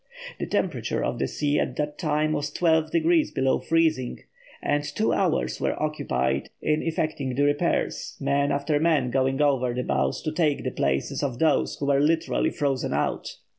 The temperature of the sea at the time was twelve degrees below freezing, and two hours were occupied in effecting the repairs, man after man going over the bows to take the places of those who were literally frozen out.